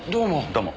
どうも。